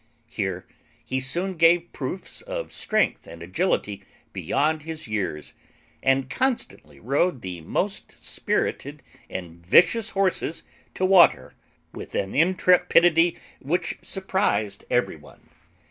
Here he soon gave proofs of strength and agility beyond his years, and constantly rode the most spirited and vicious horses to water, with an intrepidity which surprized every one.